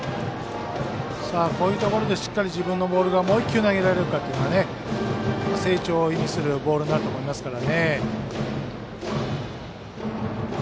こういうところでしっかり自分のボールがもう１球投げられるかというのが成長を意味するボールになると思います。